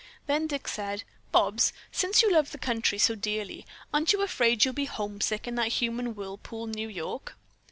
Then Dick said, "Bobs, since you love the country so dearly, aren't you afraid you'll be homesick in that human whirlpool, New York?"